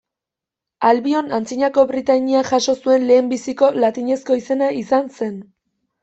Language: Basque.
Albion antzinako Britainiak jaso zuen lehenbiziko latinezko izena izan zen.